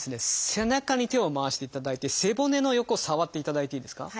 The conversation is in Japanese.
背中に手を回していただいて背骨の横触っていただいていいですか。